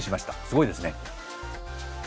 すごいですね。